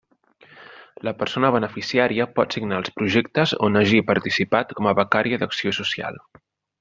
La persona beneficiària pot signar els projectes on hagi participat com a becària d'acció social.